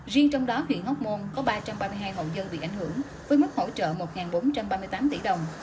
riêng trong đó huyện hóc môn có ba trăm ba mươi hai hộ dân bị ảnh hưởng với mức hỗ trợ một bốn trăm ba mươi tám tỷ đồng